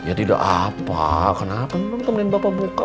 ya tidak apa kenapa nanti temenin bapak buka